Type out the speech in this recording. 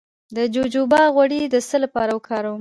د جوجوبا غوړي د څه لپاره وکاروم؟